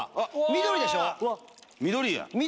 緑でしょ。